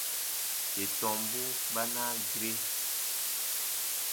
Yè tɔmbu ba naa gire.